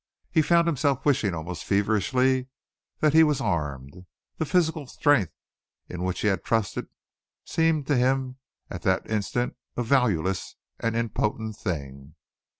He found himself wishing almost feverishly that he was armed. The physical strength in which he had trusted seemed to him at that instant a valueless and impotent thing.